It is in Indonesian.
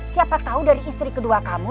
siapa tahu dari istri kedua kamu